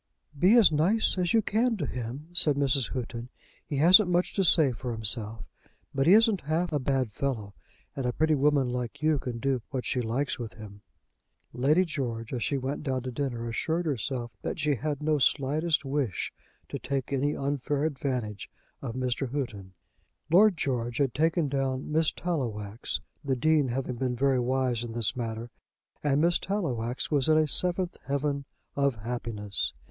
"Be as nice as you can to him," said Mrs. Houghton. "He hasn't much to say for himself, but he isn't half a bad fellow; and a pretty woman like you can do what she likes with him." Lady George, as she went down to dinner, assured herself that she had no slightest wish to take any unfair advantage of Mr. Houghton. Lord George had taken down Miss Tallowax, the Dean having been very wise in this matter; and Miss Tallowax was in a seventh heaven of happiness.